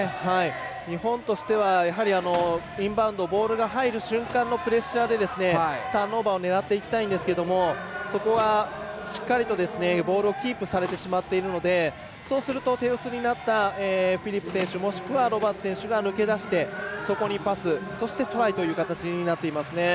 日本としてはインバウンドのボールが入る瞬間のプレッシャーでターンオーバーを狙っていきたいんですけれどもそこはしっかりとボールをキープされてしまっているのでそうすると、手薄になったフィップス選手もしくはロバーツ選手が抜け出してそこにパスそしてトライという形になっていますね。